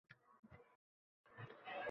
Birini yo‘qotib o‘g‘rini topa olmagan edik